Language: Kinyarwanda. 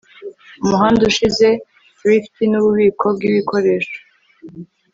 umuhanda ushize thrifty nububiko bwibikoresho